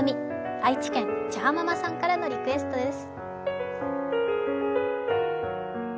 愛知県、ちゃーママさんからのリクエストです。